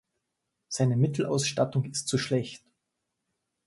Seine Mittelausstattung ist zu schlecht.